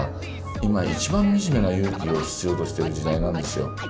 今一番惨めな勇気を必要としてる時代なんですよ。